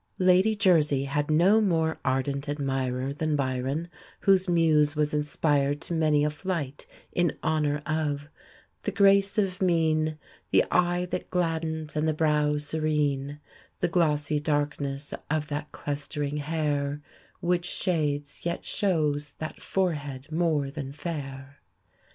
Lady Jersey had no more ardent admirer than Byron, whose muse was inspired to many a flight in honour of "The grace of mien, The eye that gladdens and the brow serene; The glossy darkness of that clustering hair, Which shades, yet shows that forehead more than fair."